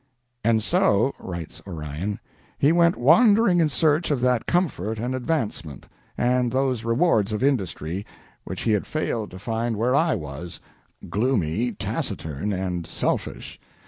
"And so," writes Orion, "he went wandering in search of that comfort and advancement, and those rewards of industry, which he had failed to find where I was gloomy, taciturn, and selfish.